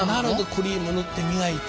クリーム塗って磨いて。